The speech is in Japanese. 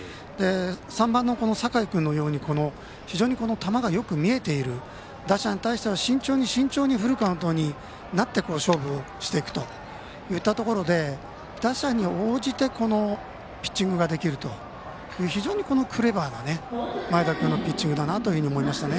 ３番の酒井君のように非常に球がよく見えている打者に対しては慎重に慎重にフルカウントになって勝負をしていくといったところで打者に応じてピッチングができるという非常にクレバーな前田君のピッチングだと思いましたね。